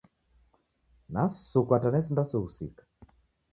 Nasukwa hata nesinda sughusika.